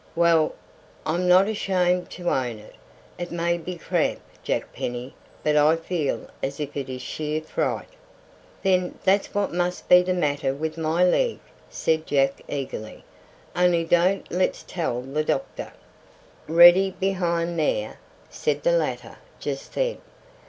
"Well, I'm not ashamed to own it. It may be cramp, Jack Penny, but I feel as if it is sheer fright." "Then that's what must be the matter with my leg," said Jack eagerly, "only don't let's tell the doctor." "Ready behind there?" said the latter just then.